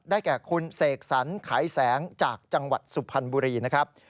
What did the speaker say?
แก่คุณเสกสรรไขแสงจากจังหวัดสุพรรณบุรีนะครับ